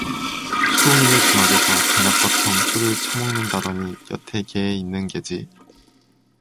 수동이네 주막에서 대낮버텀 술을 처먹는다더니 여태 게 있는 게지.